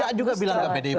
saya juga bilang ke pdip